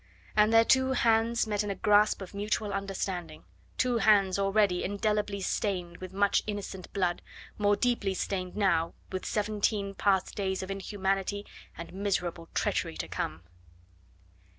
And their two hands met in a grasp of mutual understanding two hands already indelibly stained with much innocent blood, more deeply stained now with seventeen past days of inhumanity and miserable treachery to come.